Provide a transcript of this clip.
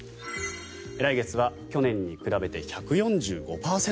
来月は去年に比べて１４５％。